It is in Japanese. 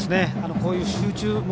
こういう集中。